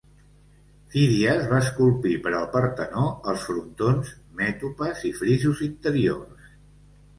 Fídies va esculpir per al Partenó els frontons, mètopes i frisos interiors.